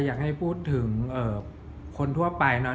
อยากให้พูดถึงคนทั่วไปนะ